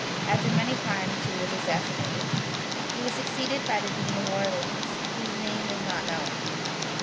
'" After many crimes he was assassinated. He was suc ceeded by the Dean of Orleans, whose name is not known.